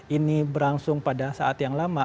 ini berlangsung pada saat yang lama